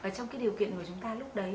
trong cái điều kiện của chúng ta lúc đấy